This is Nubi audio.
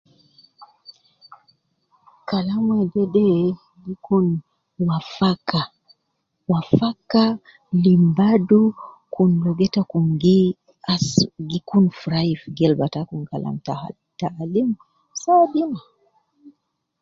Kalam wedede gi kun wafaka, wafaka, lim badu, kun logo itakum gi as, gi kun furayi fi gelba takum kalam ta-alim saadu ina.